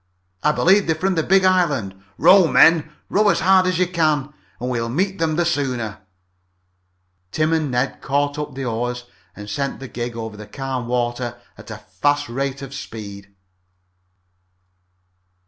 I believe they're from the big island. Row, men, row as hard as you can and we'll meet them the sooner!" Tim and Ned caught up the oars and sent the gig over the calm water at a fast rate of speed.